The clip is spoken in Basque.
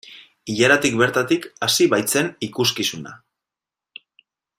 Ilaratik bertatik hasi baitzen ikuskizuna.